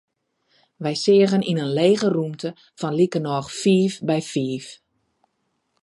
Wy seagen yn in lege rûmte fan likernôch fiif by fiif.